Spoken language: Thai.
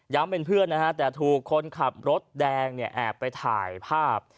เป็นเพื่อนนะฮะแต่ถูกคนขับรถแดงเนี่ยแอบไปถ่ายภาพ